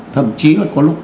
thậm chí là có lúc